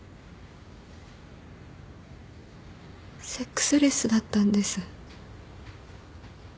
セックスレスだったんです。